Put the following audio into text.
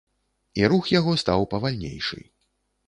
І рух яго стаў павальнейшы.